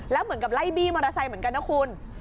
แล้วเหมือนกับไล่บี้มอเตอร์ไซค์เหมือนกันนะคุณ